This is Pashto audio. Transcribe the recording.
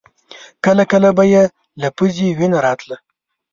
کله کله به يې له پزې وينه راتله.